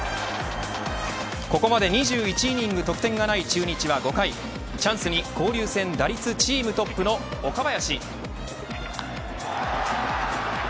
ここまで２１イニング得点がない中日は５回チャンスに交流戦打率チームトップの岡林。